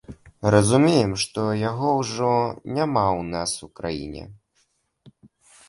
Разумеем, што яго ўжо няма ў нас у краіне.